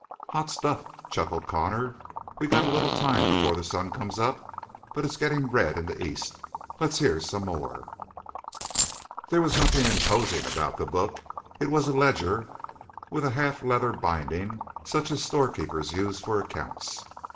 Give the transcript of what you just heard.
"Hot stuff!" chuckled Connor. "We got a little time before the sun comes up. But it's getting red in the east. Let's hear some more." There was nothing imposing about the book. It was a ledger with a half leather binding such as storekeepers use for accounts.